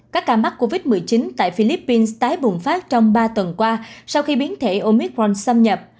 các ca mắc covid một mươi chín tại philippines tái bùng phát trong ba tuần qua sau khi biến thể omicron xâm nhập